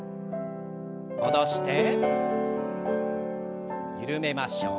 戻して緩めましょう。